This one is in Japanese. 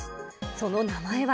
その名前は。